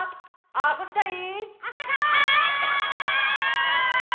あそびたい！